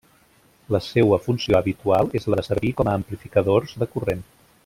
La seua funció habitual és la de servir com a amplificadors de corrent.